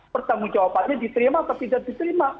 pertanggung jawabannya diterima atau tidak diterima